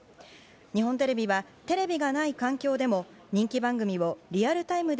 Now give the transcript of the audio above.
日本テレビは、テレビがない環境でも人気番組をリアルタイムで